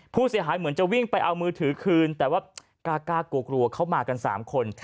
ผู้เสียหายเหมือนจะวิ่งไปเอามือถือคืนแต่ว่ากล้ากลัวกลัวเขามากัน๓คน